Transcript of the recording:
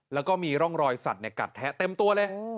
แล้วก็มีร่องรอยสัตว์กัดแทะเต็มตัวเลย